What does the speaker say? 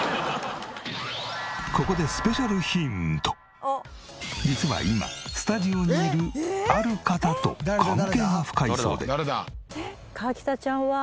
ここで実は今スタジオにいるある方と関係が深いそうで。